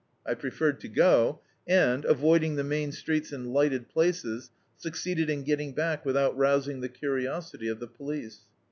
I preferred to go, and, avoiding the main streets and lighted places, succeeded in getting back without rousing the curiosity of the police.